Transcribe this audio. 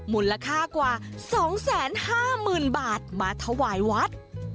มูลค่ากว่า๒๕๐๐๐๐บาทมาถวายวัด